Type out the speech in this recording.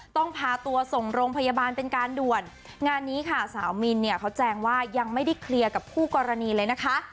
ต้องพาตัวส่งโรงพยาบาลเป็นการด่วนงานนี้ค่ะสาวมินเนี่ยเขาแจ้งว่ายังไม่ได้เคลียร์กับคู่กรณีเลยนะคะ